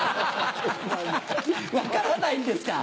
分からないんですか？